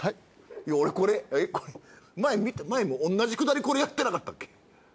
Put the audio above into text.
いや俺これこれ前も同じくだりこれやってなかったっけ？